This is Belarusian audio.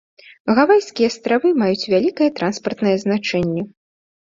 Гавайскія астравы маюць вялікае транспартнае значэнне.